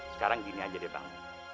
sekarang gini aja deh pang